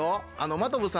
真飛さん